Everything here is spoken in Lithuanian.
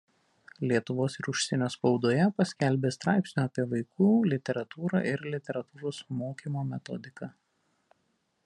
Lietuvos ir užsienio spaudoje paskelbė straipsnių apie vaikų literatūrą ir literatūros mokymo metodiką.